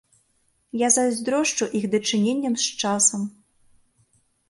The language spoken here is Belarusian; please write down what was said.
Я зайздрошчу іх дачыненням з часам.